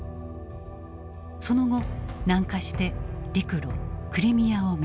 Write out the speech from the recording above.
その後南下して陸路クリミアを目指す。